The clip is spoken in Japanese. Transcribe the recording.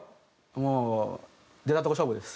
もう出たとこ勝負です！